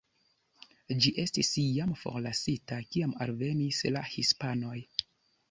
Ĝi estis jam forlasita, kiam alvenis la hispanoj.